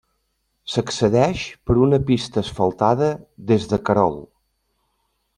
S'accedeix per una pista asfaltada des de Querol.